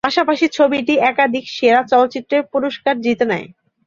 পাশাপাশি ছবিটি একাধিক সেরা চলচ্চিত্রের পুরস্কার জিতে নেয়।